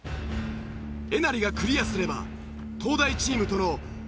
えなりがクリアすれば東大チームとのパーフェクト勝負。